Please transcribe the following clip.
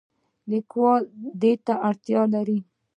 لیکوال دې ته اړتیا لري.